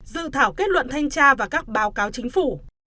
dự thảo kết luận thanh tra và các báo cáo chính phủ